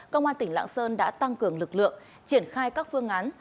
công an tỉnh lạng sơn đã tăng cường lực lượng triển khai các phương án